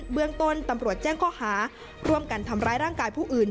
เมืองต้นตำรวจแจ้งข้อหาร่วมกันทำร้ายร่างกายผู้อื่น